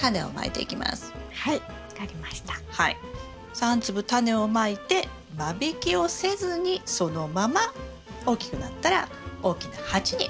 ３粒タネをまいて間引きをせずにそのまま大きくなったら大きな鉢に植えます。